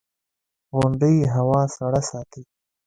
• غونډۍ هوا سړه ساتي.